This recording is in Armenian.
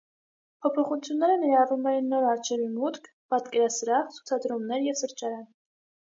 Փոփոխությունները ներառում էին նոր առջևի մուտք, պատկերասրահ, ցուցադրումներ և սրճարան։